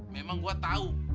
memang gua tahu